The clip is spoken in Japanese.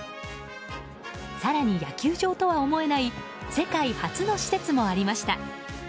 更に、野球場とは思えない世界初の施設もありました。